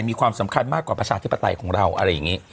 มีความสำคัญมากกว่าประชาธิปไตยของเราอะไรอย่างนี้